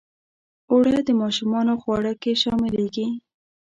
اوړه د ماشومانو خواړه کې شاملیږي